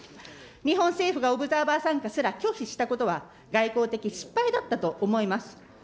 日本政府がオブザーバー参加すら拒否したことは、外交的失敗だったと思います。